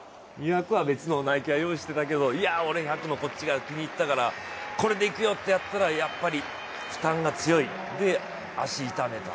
２００は別のをＮｉｋｅは用意してたけど俺１００のこっちが気に入ったからこれで行くよってやったら、やっぱり負担が強い、で、足を痛めた。